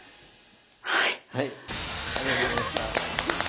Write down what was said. はい！